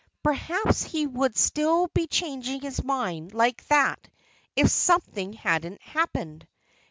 Perhaps he would still be changing his mind like that if something hadn't happened.